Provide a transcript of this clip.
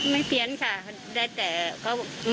ไม่เปลี่ยนค่ะได้แต่